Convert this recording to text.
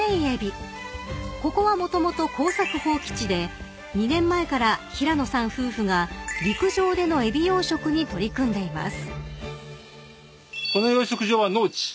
［ここはもともと耕作放棄地で２年前から平野さん夫婦が陸上でのエビ養殖に取り組んでいます］